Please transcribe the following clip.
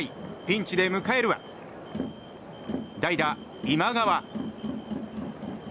ピンチで迎えるは代打、今川。